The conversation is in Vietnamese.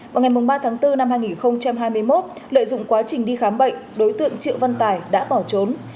vào ngày ba tháng bốn năm hai nghìn hai mươi một lợi dụng quá trình đi khám bệnh đối tượng triệu văn tài đã bỏ trốn